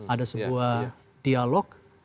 ada sebuah dialog